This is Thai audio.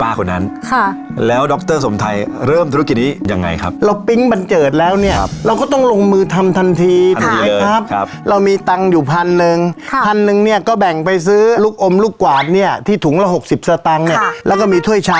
อ่าล่าสุดนะคะพี่เขาถูกรถเตอรี่แล้วค่ะ